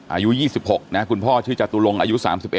อายุ๒๖นะคุณพ่อชื่อจตุลงอายุ๓๑